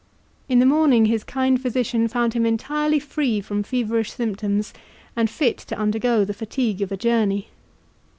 In the morning his kind physician found him entirely free from feverish symptoms, and fit to undergo the fatigue of a journey.